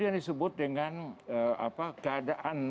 itu yang disebut dengan keadaan perkembangan